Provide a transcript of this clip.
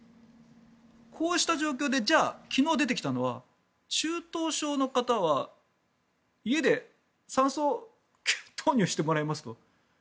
こうした状況で昨日出てきたのは中等症の方は家で酸素投入してもらいますと。